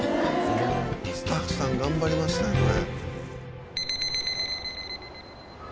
スタッフさん頑張りましたね。